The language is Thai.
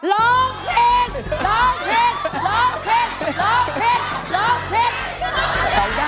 ร้องผิด